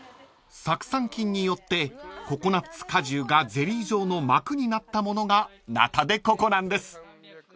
［酢酸菌によってココナツ果汁がゼリー状の膜になったものがナタデココなんです］